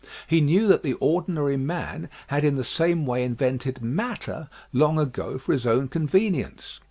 He knew that the ordinary man had in the same way invented " matter " long ago for his own convenience.